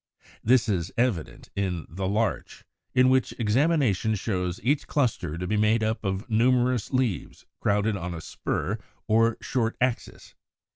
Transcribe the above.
This is evident in the Larch (Fig. 184), in which examination shows each cluster to be made up of numerous leaves crowded on a spur or short axis.